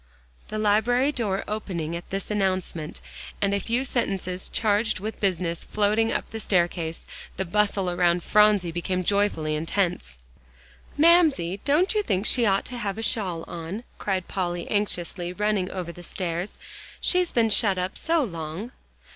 The library door opening at this announcement, and a few sentences charged with business floating up the staircase, the bustle around Phronsie became joyfully intense. "Mamsie, don't you think she ought to have a shawl on?" cried Polly anxiously, running over the stairs. "She's been shut up so long!"